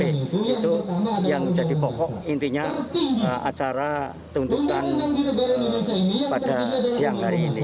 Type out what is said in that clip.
itu yang jadi pokok intinya acara tuntutan pada siang hari ini